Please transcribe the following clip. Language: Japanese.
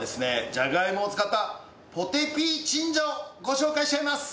じゃがいもを使ったポテ・ピー・チンジャオご紹介しちゃいます！